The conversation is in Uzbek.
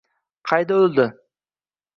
Qayda oʻldi?